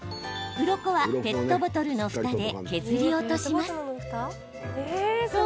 うろこはペットボトルのふたで削り落とします。